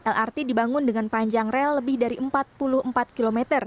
lrt dibangun dengan panjang rel lebih dari empat puluh empat km